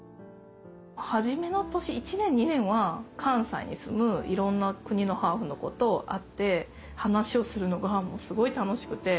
初めの年１年２年は関西に住むいろんな国のハーフの子と会って話をするのがもうすごい楽しくて。